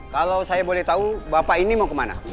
kalau saya boleh tahu bapak ini mau ke mana